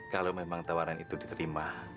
kalau memang tawaran itu diterima